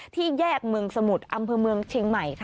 ที่แยกเมืองสมุทรอำเภอเมืองเชียงใหม่